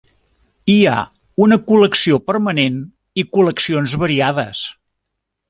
Hi ha una col·lecció permanent i col·leccions variades.